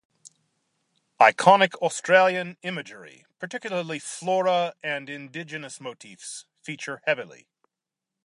Iconic Australian imagery, particularly flora and indigenous motifs, feature heavily.